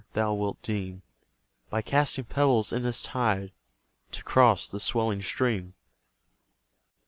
thou wilt deem, By casting pebbles in its tide, To cross the swelling stream.